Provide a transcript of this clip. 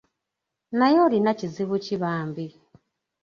Naye olina kizibu ki bambi?”